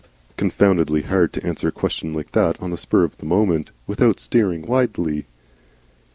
Confoundedly hard to answer a question like that on the spur of the moment, without steering wildly.